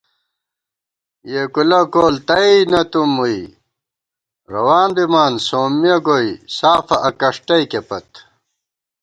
یېکُولہ کول تئینَتُم مُوئی، روان بِمان سومِیَہ گوئی سافہ اکݭٹَئکےپت